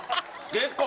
結構。